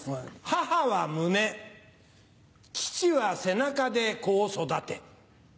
母は胸父は背中で子を育て。